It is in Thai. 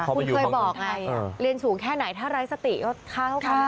คุณเคยบอกไงเรียนสูงแค่ไหนถ้าไร้สติก็ฆ่าเขา